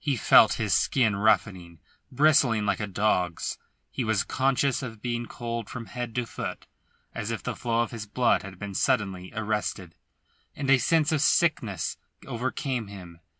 He felt his skin roughening, bristling like a dog's; he was conscious of being cold from head to foot, as if the flow of his blood had been suddenly arrested; and a sense of sickness overcame him.